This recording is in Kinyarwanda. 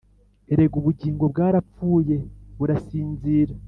erega ubugingo bwarapfuye burasinzira,